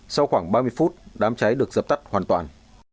sau khoảng ba mươi phút đám cháy được dập tắt hoàn toàn